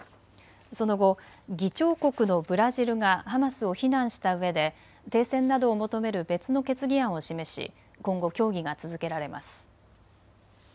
その後、議長国のブラジルがハマスを非難したうえで停戦などを求める別の決議案を示し、今後、協議が続けられます。